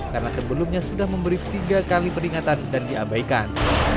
karena sebelumnya sudah memberi tiga kali peringatan dan diabaikan